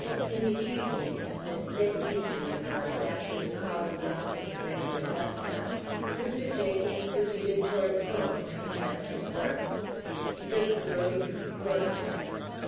In the evening this same evening, mind, after the call at the office of Lady Augusta Mr. Jenkins proceeded towards home when he left his work. He took the road through the cloisters.